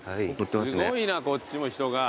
すごいなこっちも人が。